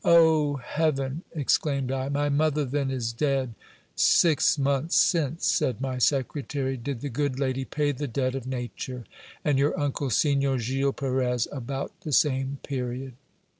O heaven ! exclaimed I, my mother then is dead ! Six months since, said my secretary, did the good lady pay the debt of nature, and your ancle, Signor Gil Perez, about the same period.